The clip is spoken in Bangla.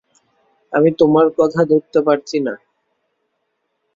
আমি তোমার কথা ধরতে পারছি না।